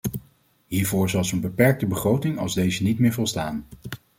Hiervoor zal zo'n beperkte begroting als deze niet meer volstaan.